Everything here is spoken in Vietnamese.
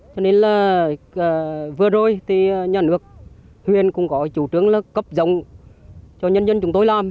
cho nên là vừa rồi thì nhà nước huyền cũng có chủ trương là cấp giống cho nhân dân chúng tôi làm